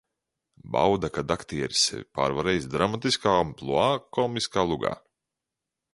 Bauda, kad aktieris sevi pārvarējis dramatiskā ampluā komiskā lugā.